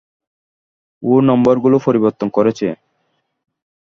ও নম্বরগুলো পরিবর্তন করেছে।